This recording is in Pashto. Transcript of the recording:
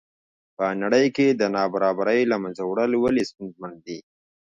په نړۍ کې د نابرابرۍ له منځه وړل ولې ستونزمن دي.